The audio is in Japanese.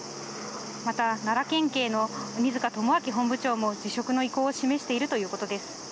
また、奈良県警の鬼塚友章本部長も、辞職の意向を示しているということです。